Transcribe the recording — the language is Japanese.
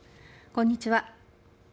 こんにちは。